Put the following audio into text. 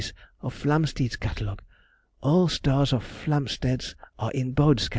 of Flamsteed's Catalogue. All stars of Flamst. are in Bode's Cat.